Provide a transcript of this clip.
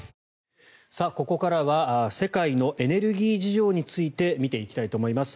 ここからは世界のエネルギー事情について見ていきたいと思います。